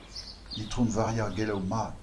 I.V. Geloù Mat.